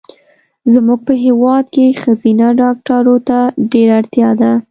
زمونږ په هېواد کې ښځېنه ډاکټرو ته ډېره اړتیا ده